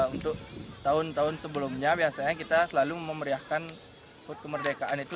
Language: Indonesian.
untuk tahun tahun sebelumnya biasanya kita selalu memeriahkan hut kemerdekaan itu